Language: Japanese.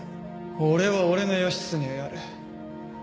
俺は俺の義経をやる。